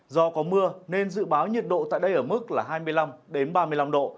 do có mưa nên dự báo nhiệt độ tại đây ở mức là hai mươi năm ba mươi năm độ